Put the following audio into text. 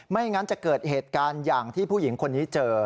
ไม่งั้นจะเกิดเหตุการณ์อย่างที่ผู้หญิงคนนี้เจอ